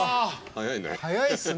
早いね。